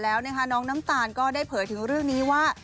แล้วนะคะน้องน้ำตาลก็ได้เผยถึงเรื่องนี้ว่า